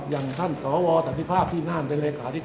อย่างท่านสวศัฒนภาพที่นั่น